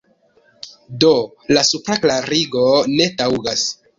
Do la supra klarigo ne taŭgas.